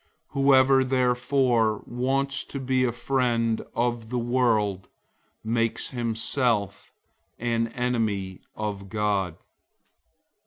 Whoever therefore wants to be a friend of the world makes himself an enemy of God.